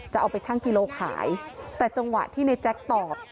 จะเอาไปชั่งกิโลขายแต่จังหวะที่ในแจ๊คตอบ